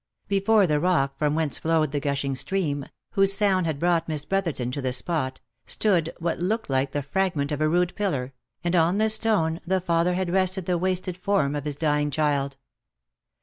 Before the rock from whence flowed the gushing stream, whose sound had brought Miss Brotherton to the spot, stood what looked like the fragment of a rude pillar, and on this stone the father had rested the wasted form of his dying child.